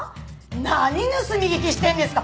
何盗み聞きしてるんですか！